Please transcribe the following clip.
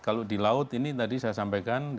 kalau di laut ini tadi saya sampaikan